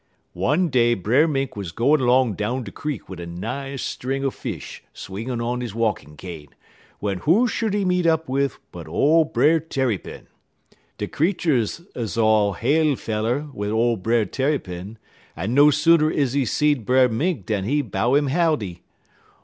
"One day Brer Mink 'uz gwine long down de creek wid a nice string er fish swingin' on he walkin' cane, w'en who should he meet up wid but ole Brer Tarrypin. De creeturs 'uz all hail feller wid ole Brer Tarrypin, en no sooner is he seed Brer Mink dan he bow 'im howdy.